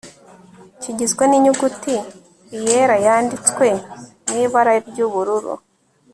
kigizwe n'inyuguti l yera yánditswe mw'ibara ry'ubururu